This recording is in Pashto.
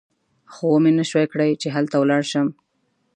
خو ومې نه شوای کړای چې هلته ولاړ شم.